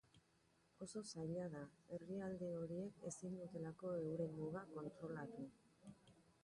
Oso zaila da, herrialde horiek ezin dutelako euren muga kontrolatu.